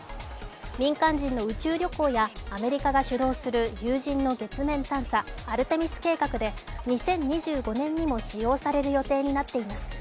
民間人の宇宙旅行やアメリカが主導する有人の月面探査アルテミス計画で、２０２５年にも使用される予定になっています。